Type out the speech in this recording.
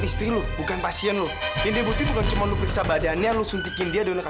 sampai jumpa di video selanjutnya